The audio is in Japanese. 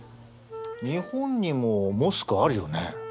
日本にもモスクあるよね。